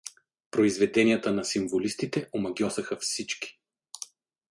Произведенията на символистите омагьосаха всички.